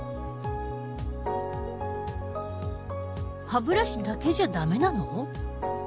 歯ブラシだけじゃ駄目なの？